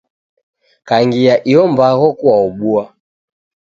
Kangia iyo mbagho kuwaobua.